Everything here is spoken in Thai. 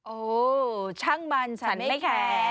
โอ้ช่างมันฉันไม่แคร์